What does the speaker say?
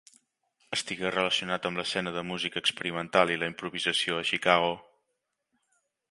Estigué relacionat amb l'escena de música experimental i la improvisació a Chicago.